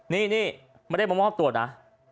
นี่นี่ไม่ได้มามอบตัวล่ะ